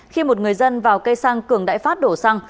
khi một người dân vào cây xăng cường đại phát đổ xăng